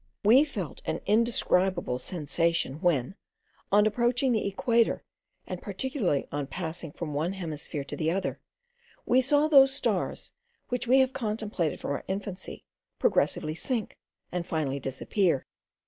We feel an indescribable sensation when, on approaching the equator, and particularly on passing from one hemisphere to the other, we see those stars, which we have contemplated from our infancy, progressively sink, and finally disappear.